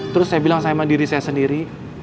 terus saya bilang sama diri saya sendiri